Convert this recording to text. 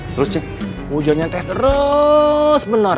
terus ceng hujannya teh res bener